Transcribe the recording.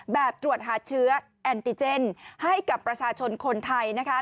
ตรวจหาเชื้อแอนติเจนให้กับประชาชนคนไทยนะคะ